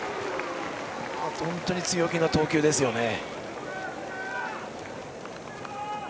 本当に強気な投球でしたね。